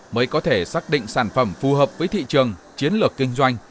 mới có thể xác định sản phẩm phù hợp với thị trường chiến lược kinh doanh